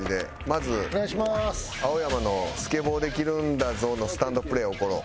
まず青山のスケボーできるんだぞのスタンドプレーを怒ろう。